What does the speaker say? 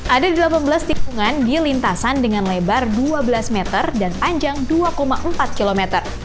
ada delapan belas tikungan di lintasan dengan lebar dua belas meter dan panjang dua empat km